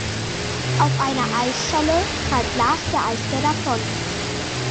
Auf einer Eisscholle treibt Lars der Eisbär davon.